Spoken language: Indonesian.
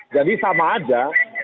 jadi sama aja